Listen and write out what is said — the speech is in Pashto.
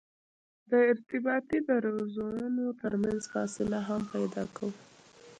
د ارتباطي درزونو ترمنځ فاصله هم پیدا کوو